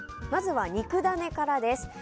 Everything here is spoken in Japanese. まずは肉ダネからです。